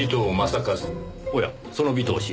おやその尾藤氏